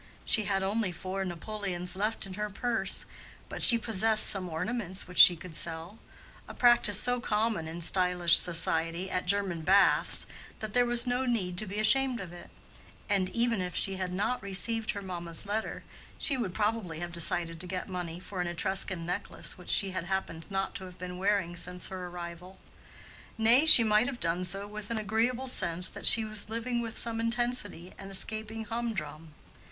She had only four napoleons left in her purse, but she possessed some ornaments which she could sell: a practice so common in stylish society at German baths that there was no need to be ashamed of it; and even if she had not received her mamma's letter, she would probably have decided to get money for an Etruscan necklace which she happened not to have been wearing since her arrival; nay, she might have done so with an agreeable sense that she was living with some intensity and escaping humdrum.